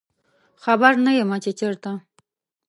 خبر نه یمه چې چیرته